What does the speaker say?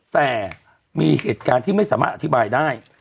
แต่มีเหตุการณ์ที่ไม่สามารถอธิบายได้